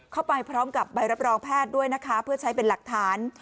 เข้าไปพร้อมกับใบรับรองแพทย์ด้วยนะคะเพื่อใช้เป็นหลักฐาน